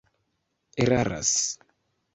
eraras